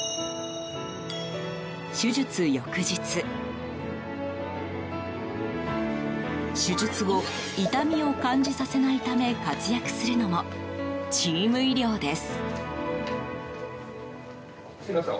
手術翌日。手術後、痛みを感じさせないため活躍するのも、チーム医療です。